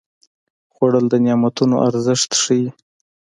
خوړل د نعمتونو ارزښت ښيي